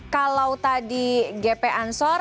kalau tadi gp anson